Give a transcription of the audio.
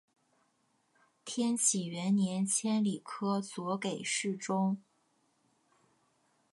天启元年迁礼科左给事中。